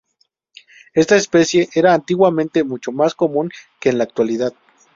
Esta especie era antiguamente mucho más común que en la actualidad.